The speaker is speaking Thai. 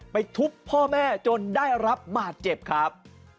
ทุบพ่อแม่จนได้รับบาดเจ็บครับ